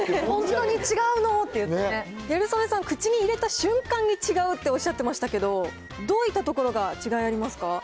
本当に違うのって、ギャル曽根さん、口に入れた瞬間に違うっておっしゃってましたけど、どういったところが違いありますか。